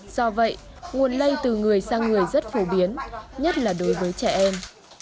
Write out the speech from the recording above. do vậy nguồn lây từ người sang người rất phổ biến nhất là đối với trẻ em